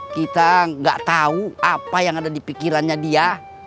kita nggak tahu apa yang ada di pikirannya dia